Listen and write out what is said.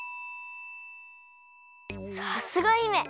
さすが姫！